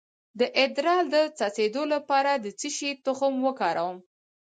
د ادرار د څڅیدو لپاره د څه شي تخم وخورم؟